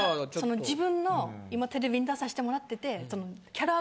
その自分の今テレビに出さしてもらっててその。